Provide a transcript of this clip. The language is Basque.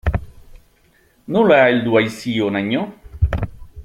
Nola heldu haiz hi honaino?